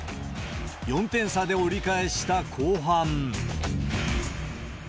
４点差で折り返した後半。